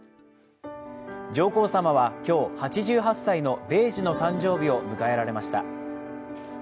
上皇さまは今日、８８歳の米寿の誕生日を迎えられました。